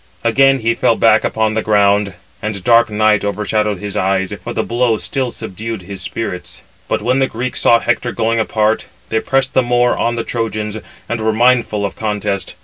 Again he fell back upon the ground, and dark night overshadowed his eyes; for the blow still subdued his spirits. But when the Greeks saw Hector going apart, they pressed the more on the Trojans, and were mindful of contest.